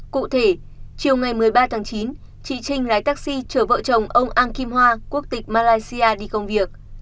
cụ thể chiều ngày một mươi ba tháng chín chị trinh lái taxi chở vợ chồng ông an kim hoa quốc tịch malaysia đi công việc